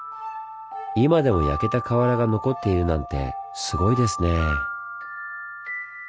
今でも焼けた瓦が残っているなんてすごいですねぇ。